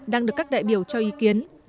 đang được các đại biểu cho ý kiến